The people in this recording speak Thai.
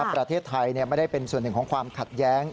ประเทศไทยไม่ได้เป็นส่วนหนึ่งของความขัดแย้ง